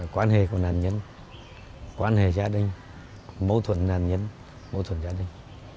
quan hệ của nạn nhân quan hệ gia đình mối thuận nạn nhân mối thuận gia đình